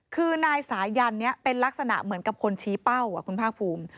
คือนายสายันนี้เป็นลักษณะเหมือนกับคนชี้เป้าคุณภาคภูมิ